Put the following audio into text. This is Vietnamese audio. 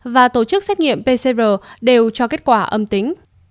và tổ chức xét nghiệm pcr đều cho kết quả âm tính